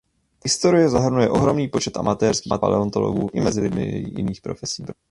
Historie zahrnuje ohromný počet amatérských paleontologů i mezi lidmi jiných profesí.